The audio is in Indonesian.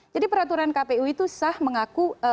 jadi peraturan kpu itu sah mengaku